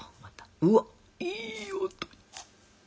うわいい音！